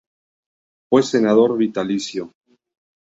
Fue senador vitalicio.